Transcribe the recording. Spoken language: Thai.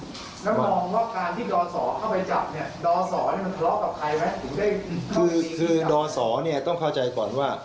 ดรสนี่มันคลอบกับใครไหมคือคือคือดรสเนี้ยต้องเข้าใจก่อนว่า